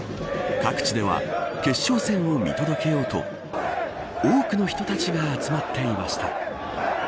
各地では決勝戦を見届けようと多くの人たちが集まっていました。